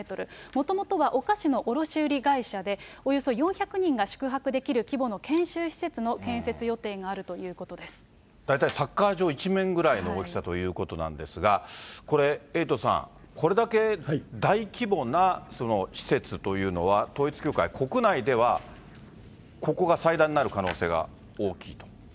もともとはお菓子の卸売り会社で、およそ４００人が宿泊できる規模の研修施設の建設予定があるとい大体サッカー場１面ぐらいの大きさということなんですが、これ、エイトさん、これだけ大規模な施設というのは、統一教会、国内ではここが最大になる可能性が大きいと？